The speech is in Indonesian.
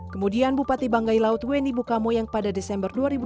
kemudian bupati banggai laut weni bukamo yang pada desember dua ribu dua puluh